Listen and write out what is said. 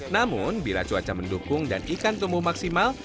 namun bila cuaca mendukung dan ikan tumbuh maksimal